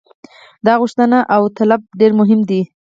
دا غوښتنه او طلب ډېر مهم دی.